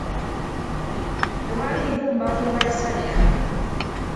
Tewali mpumbawumba yassalira.